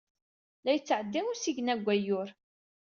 La yettɛeddi usigna deg wayyur.